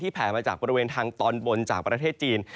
แผ่มาจากบริเวณทางตอนบนจากประเทศจีน